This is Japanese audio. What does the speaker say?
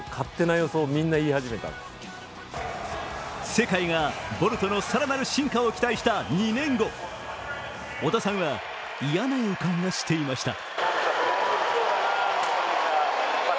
世界がボルトのさらなる進化を期待した２年後織田さんは嫌な予感がしていました。